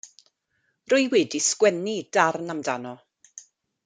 Rwy wedi sgwennu darn amdano.